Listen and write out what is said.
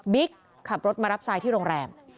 บิ๊กขับรถมารับซายที่โรงแรม